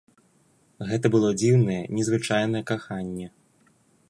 Гэта было дзіўнае, незвычайнае каханне.